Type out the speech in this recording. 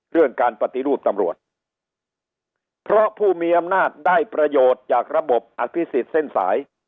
เรื่องการปฏิรูปตำรวจเพราะผู้มีอำนาจได้ประโยชน์จากระบบอภิษฎเส้นสาย